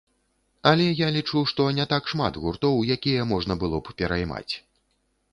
Але я лічу, што не так шмат гуртоў, якія можна было б пераймаць.